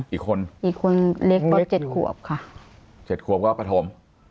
อีกคนเหล็กบ้าง๗ขวบค่ะ๗ขวบก็พระถม